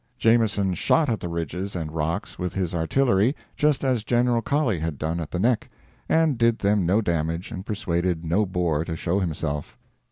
Jameson shot at the ridges and rocks with his artillery, just as General Colley had done at the Nek; and did them no damage and persuaded no Boer to show himself.